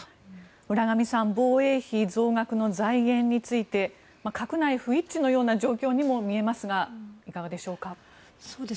浦上さん防衛費増額の財源について閣内不一致のような状況にも見えますがいかがでしょうか。